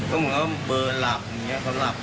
ก็เหมือนว่าเบอร์หลับ